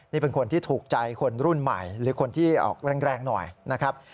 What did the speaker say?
นี่เป็นคนที่ถูกใจคนรุ่นใหม่หรือคนที่ออกแรงหน่อยนะครับ